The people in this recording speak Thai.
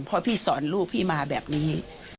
เพราะพี่สอนลูกพี่มาแบบนี้